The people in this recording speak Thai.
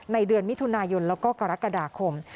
เดือนมิถุนายนแล้วก็กรกฎาคม